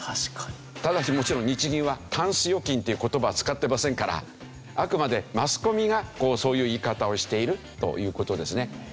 ただしもちろん日銀はタンス預金という言葉は使ってませんからあくまでマスコミがそういう言い方をしているという事ですね。